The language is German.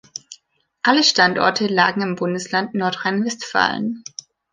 Alle Standorte lagen im Bundesland Nordrhein-Westfalen.